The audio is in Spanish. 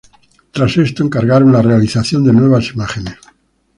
Tras esto encargaron la realización de nuevas imágenes.